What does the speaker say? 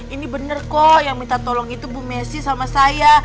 ini benar kok yang minta tolong itu bu messi sama saya